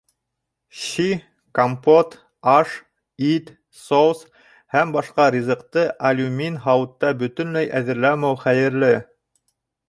Щи, компот, аш, ит, соус һәм башҡа ризыҡты алюмин һауытта бөтөнләй әҙерләмәү хәйерле.